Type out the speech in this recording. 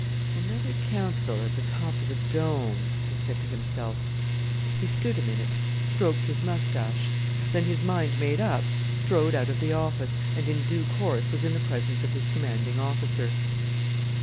"Another council at the top of the Dome," he said to himself. He stood a minute, stroked his moustache; then, his mind made up, strode out of the office, and in due course was in the presence of his Commanding Officer.